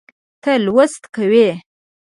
ته لوست کوې